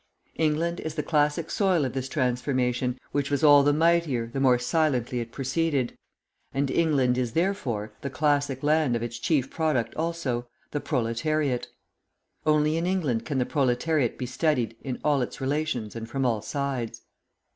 England is the classic soil of this transformation, which was all the mightier, the more silently it proceeded; and England is, therefore, the classic land of its chief product also, the proletariat. Only in England can the proletariat be studied in all its relations and from all sides.